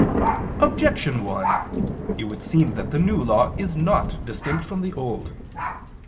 Objection 1: It would seem that the New Law is not distinct from the Old.